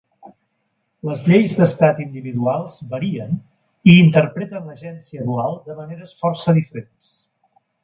Les lleis d'estat individuals varien i interpreten l'agència dual de maneres força diferents.